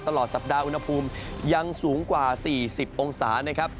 ตลอดสัปดาห์อุณหภูมิยังสูงกว่า๔๐องศานะครับ